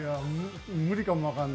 無理かも分からない。